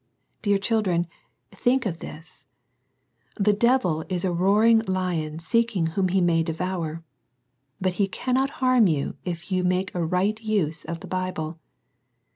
Dear children, thuik of this I The devil is " a roaring lion seeking whom he may devour." But he cannot harm you if you make a right use of the Bible.